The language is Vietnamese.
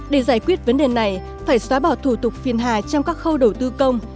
để giải quyết vấn đề này phải xóa bỏ thủ tục phiền hà trong các khâu đầu tư công